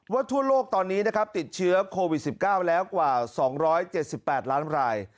ทั่วโลกตอนนี้นะครับติดเชื้อโควิด๑๙แล้วกว่า๒๗๘ล้านราย